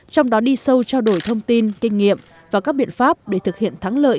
trong đó đi sâu trao đổi thông tin kinh nghiệm và các biện pháp để thực hiện thắng lợi